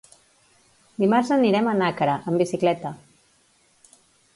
Dimarts anirem a Nàquera amb bicicleta.